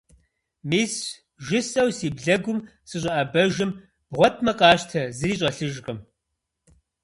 - Мис, - жысӀэу си блыгум сыщӀэӀэбэжым - бгъуэтмэ къащтэ, зыри щӀэлъыжкъым.